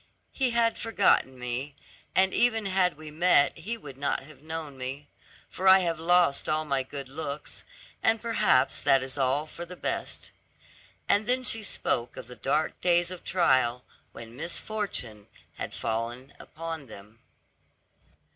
He had forgotten me, and even had we met he would not have known me, for I have lost all my good looks, and perhaps that is all for the best." And then she spoke of the dark days of trial, when misfortune had fallen upon them.